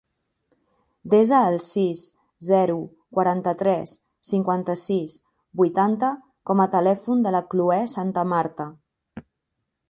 Desa el sis, zero, quaranta-tres, cinquanta-sis, vuitanta com a telèfon de la Cloè Santamarta.